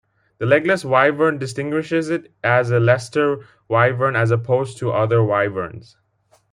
The legless wyvern distinguishes it as a Leicester wyvern as opposed to other wyverns.